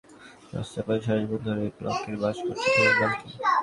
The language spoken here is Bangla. রাস্তার পাশে সারাজীবন ধরে এই ব্লকেই বাস করছি তোমার নাম কি?